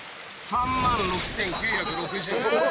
３万６９６０円。